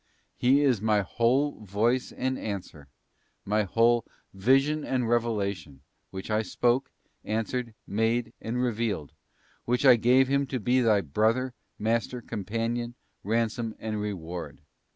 He is My whole Voice and Answer, My whole Vision and Revelation, which I spoke, answered, made, and revealed, when I gave Him to be thy Brother, Master, Companion, Ransom and Reward.